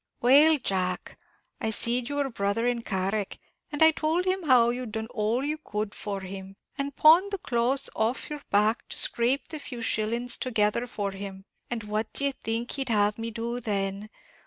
"Well, Jack, I see'd your brother in Carrick; and I towld him how you'd done all you could for him, and pawned the clothes off your back to scrape the few shillings together for him; and what d'ye think he'd have me do then?